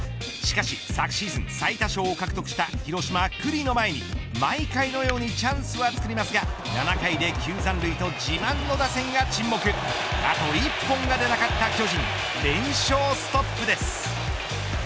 しかし昨シーズン最多勝を獲得した広島、九里の前に毎回のようにチャンスはつくりますが７回で９残塁と自慢の打線が沈黙あと一本が出なかった巨人連勝ストップです。